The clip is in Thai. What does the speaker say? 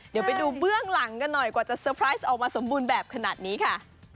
เดี๋ยวไปดูเบื้องหลังกันหน่อยกว่าจะเตอร์ไพรส์ออกมาสมบูรณ์แบบขนาดนี้ค่ะ